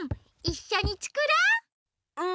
いっしょにつくろう！